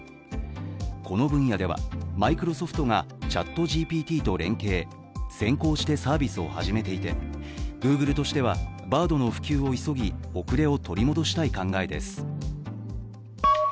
この分野では、マイクロソフトがＣｈａｔＧＰＴと連携先行してサービスを始めていてＧｏｏｇｌｅとしてはＢａｒｄの普及を急ぎ、遅れを取り戻したい考えです。